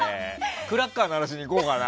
クラッカー鳴らしに行こうかな。